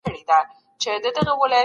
سياستپوهنه دي په پوهنتونونو کي تدريس سي.